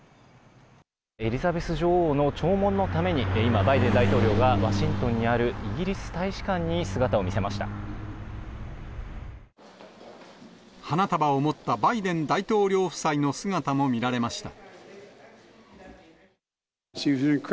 エリザベス女王の弔問のために今、バイデン大統領がワシントンにあるイギリス大使館に姿を見せまし花束を持ったバイデン大統領夫妻の姿も見られました。